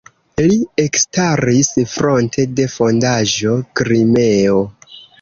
Li ekstaris fronte de Fondaĵo "Krimeo".